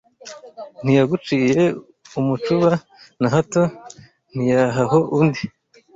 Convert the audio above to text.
Ntiyaguciye umucuba na hato Ntiyahaho undi